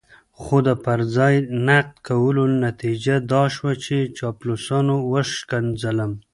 خو د پر ځای نقد کولو نتيجه دا شوه چې چاپلوسانو وشکنځلم.